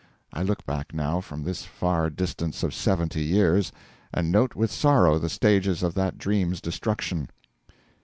I look back now, from this far distance of seventy years, and note with sorrow the stages of that dream's destruction.